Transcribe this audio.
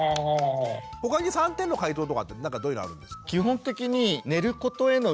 他に３点の解答とかってどういうのあるんですか？